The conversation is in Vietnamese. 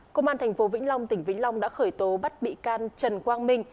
công an thành phố vĩnh long tỉnh vĩnh long đã khởi tố bắt bị can trần quang minh